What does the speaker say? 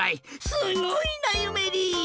すごいなゆめり！